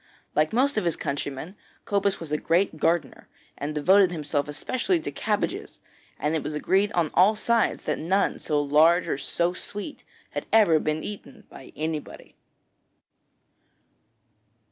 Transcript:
Like most of his countrymen, Cobus was a great gardener, and devoted himself especially to cabbages, and it was agreed on all sides that none so large or so sweet had ever been eaten by anybody.